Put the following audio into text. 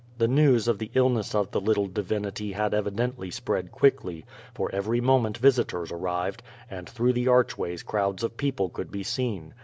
The news of the illness of the Uttle divinity had evidently spread quickly, for every moment visitors arrived, and through the archways crowds of people could be seen.